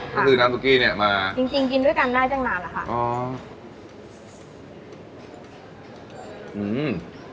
ก็คือน้ำซุกี้เนี้ยมาจริงจริงกินด้วยกันได้ตั้งนานแล้วค่ะอ๋ออืม